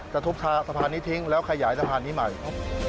ทุบสะพานนี้ทิ้งแล้วขยายสะพานนี้ใหม่